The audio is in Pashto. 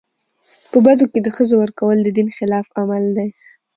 په بدو کي د ښځو ورکول د دین خلاف عمل دی.